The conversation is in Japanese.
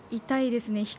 痛いですね。